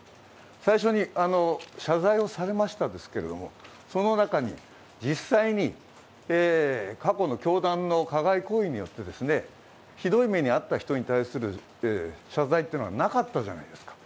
最初に謝罪をされましたですけれども、その中に、実際に過去の教団の加害行為によってひどい目に遭った人に対する謝罪がなかったじゃないですか。